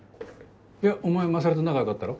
いやお前勝と仲良かったろ。